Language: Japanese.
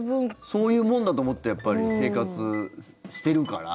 そういうもんだと思って生活してるから。